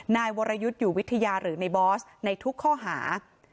นายวรยุทธ์อยู่วิทยาหรือในบอสในทุกข้อหา